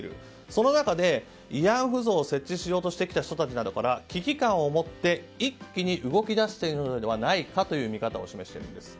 その中で、慰安婦像を設置しようとしてきた人たちから危機感を持って一気に動き出しているのではないかという見方を示しているんです。